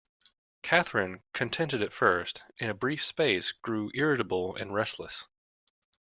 Catherine, contented at first, in a brief space grew irritable and restless.